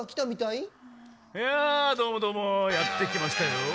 いやどうもどうもやってきましたよ！